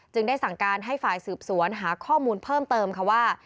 ได้สั่งการให้ฝ่ายสืบสวนหาข้อมูลเพิ่มเติมค่ะว่า